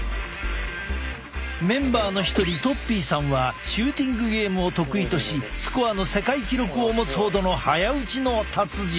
メンバーの一人とっぴーさんはシューティングゲームを得意としスコアの世界記録を持つほどの早撃ちの達人。